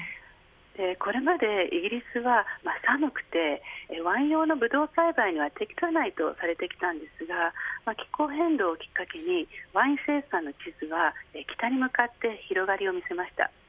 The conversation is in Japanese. これまでイギリスは寒くてワイン用のブドウ栽培には適さないとされてきたんですが気候変動をきっかけにワイン生産の地図は北に向かって広がりを見せました。